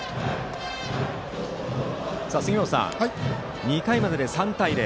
杉本さん、２回までで３対０。